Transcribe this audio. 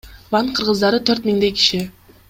Ван кыргыздары төрт миңдей киши.